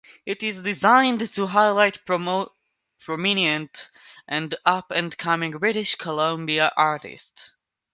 It is designed to highlight prominent and up-and-coming British Columbia artists.